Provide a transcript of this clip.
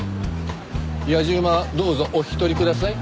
やじ馬はどうぞお引き取りください。